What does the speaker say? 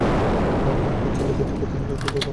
বাবা অক্ষয়, ছেলে দুটিকে তা হলে তো খবর দিতে হয়।